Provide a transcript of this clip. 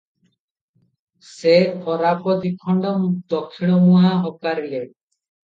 ସେ ଗୋରାପ ଦିଖଣ୍ଡ ଦକ୍ଷିଣମୁହାଁ ହକାରିଲେ ।